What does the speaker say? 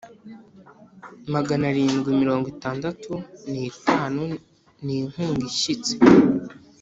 magana arindwi mirongo itandatu n’atanu ni inkunga ishyitse,